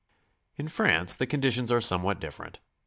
In France the conditions are somewhat different.